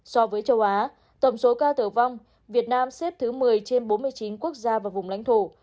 so với châu á tổng số ca tử vong việt nam xếp thứ một mươi trên bốn mươi chín quốc gia và vùng lãnh thổ